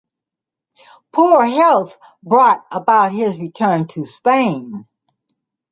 Poor health brought about his return to Spain.